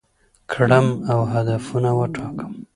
کړم او هدفونه وټاکم،